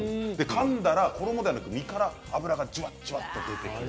かんだら衣ではなく身から脂がじゅわじゅわっと出てくる。